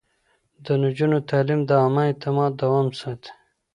د نجونو تعليم د عامه اعتماد دوام ساتي.